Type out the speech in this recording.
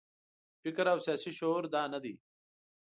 فکر او سیاسي شعور دا نه دی.